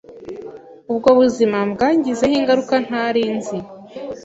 ubwo buzima bwangizeho ingaruka ntarinzi